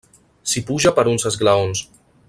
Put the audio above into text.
S'hi puja per uns esglaons.